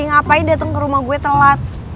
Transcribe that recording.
ngapain datang ke rumah gue telat